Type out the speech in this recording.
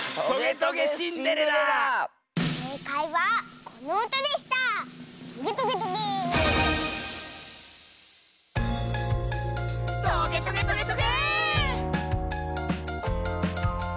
「トゲトゲトゲトゲェー！！」